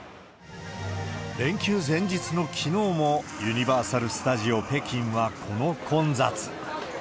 連休前日のきのうも、ユニバーサル・スタジオ北京はこの混雑。